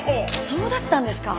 そうだったんですか？